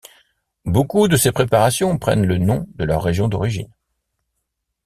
Beaucoup de ces préparations prennent le nom de leur région d'origine.